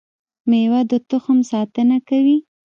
مېوه د تخم ساتنه کوي